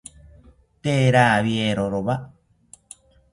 Tee rawiero rowa